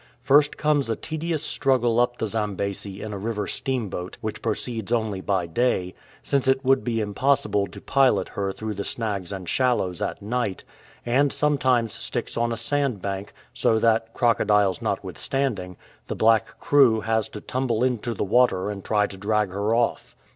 First comes a tedious struggle up the Zambesi in a river steamboat which proceeds only by day, since it would be impossible to pilot her through the snags and shallows at night, and sometimes sticks on a sandbank, so that, crocodiles notwithstanding, the black crew has to tumble into the water and try to drag her off.